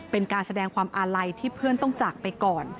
เป็นการแสดงความอาลัยที่เพื่อนต้องจากไปก่อน